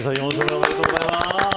おめでとうございます。